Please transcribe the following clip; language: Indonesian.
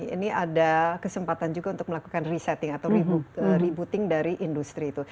ini ada kesempatan juga untuk melakukan resetting atau rebooting dari industri itu